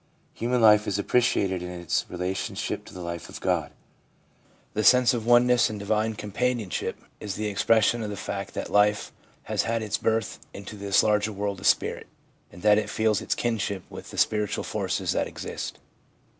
Human life is appreciated in its relationship to the life of God. The sense of oneness and divine companionship is the expression of the fact that life has had its birth into this larger world of spirit, and that it feels its kinship with the spiritual forces that exist.